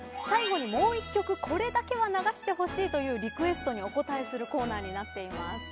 最後にもう１曲これだけは流してほしいというリクエストにお応えするコーナーになっています。